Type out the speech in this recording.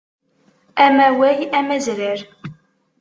Amaway amazrar.